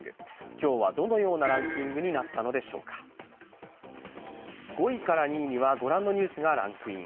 今日はどのようなランキングになったのでしょうか５位から２位にはご覧のニュースがランクイン。